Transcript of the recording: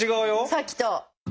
さっきと。